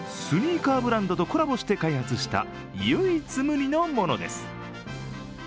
スニーカーブランドとコラボして開発した唯一無二のものです。